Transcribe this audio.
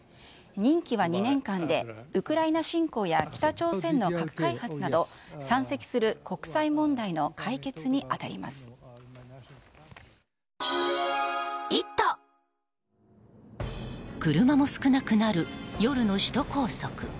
任期は２年間でウクライナ侵攻や北朝鮮の核開発など山積する国際問題の解決に車も少なくなる夜の首都高速。